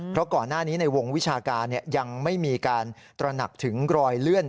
เพราะก่อนหน้านี้ในวงวิชาการยังไม่มีการตระหนักถึงรอยเลื่อน